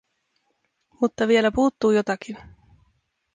Mutta vielä puuttuu jotakin.